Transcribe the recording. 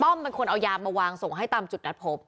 เป็นคนเอายามาวางส่งให้ตามจุดนัดพบ